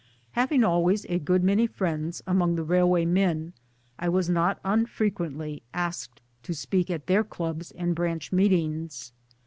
Having always a good many friends among Railway men I was not unfrequently asked to speak at their clubs and branch meetings.